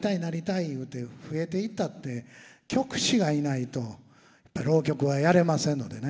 いうて増えていったって曲師がいないと浪曲はやれませんのでね。